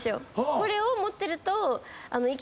これを持ってると。